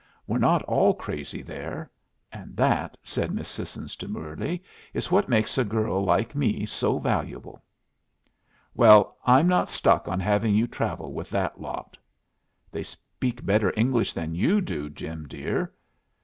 We're not all crazy there; and that," said Miss Sissons, demurely, "is what makes a girl like me so valuable!" "Well, I'm not stuck on having you travel with that lot." "They speak better English than you do, Jim dear.